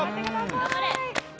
頑張れ。